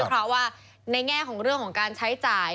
เพราะว่าในแง่ของเรื่องของการใช้จ่าย